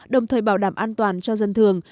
đồng thời bảo đảm an toàn cho dân thường